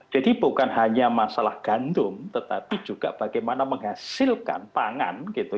jadi bukan hanya masalah gandum tetapi juga bagaimana menghasilkan pangan gitu